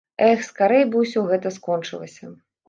Эх, скарэй бы ўсё гэта скончылася!